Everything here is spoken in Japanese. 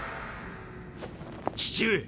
父上！